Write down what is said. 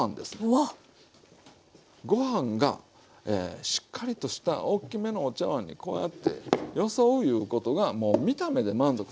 ご飯がしっかりとした大きめのお茶わんにこうやってよそういうことがもう見た目で満足するじゃないですか。